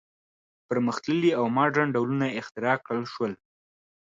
پرمختللي او ماډرن ډولونه یې اختراع کړل شول.